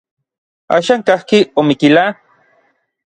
¿Axan kajki Omiquila?